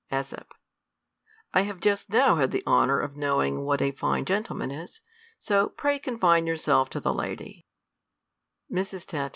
^s. I have just now had the honour of knowing what a fine gentleman is ; so, pray confine yourself to the Mrs. Tat.